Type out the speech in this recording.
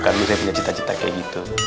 karena saya punya cita cita kayak gitu